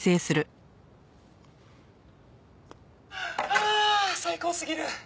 「あ最高すぎる」